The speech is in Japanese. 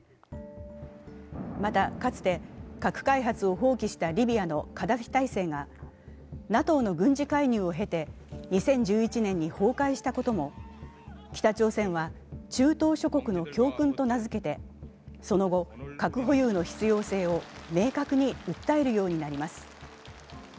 またかつて、核開発を放棄したリビアのカダフィ体制がＮＡＴＯの軍事介入を経て、２０１１年に崩壊したことも北朝鮮は中東諸国の教訓と名付けてその後、核保有の必要性を明確に訴えるようになります。